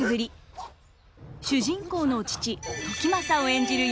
主人公の父時政を演じる